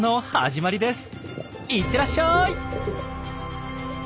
行ってらっしゃい。